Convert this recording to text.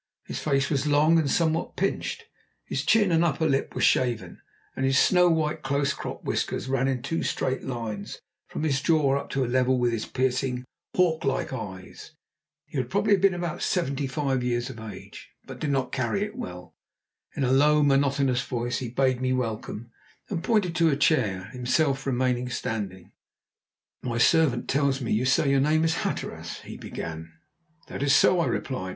His face was long and somewhat pinched, his chin and upper lip were shaven, and his snow white, close cropped whiskers ran in two straight lines from his jaw up to a level with his piercing, hawk like eyes. He would probably have been about seventy five years of age, but he did not carry it well. In a low, monotonous voice he bade me welcome, and pointed to a chair, himself remaining standing. "My servant tells me you say your name is Hatteras?" he began. "That is so," I replied.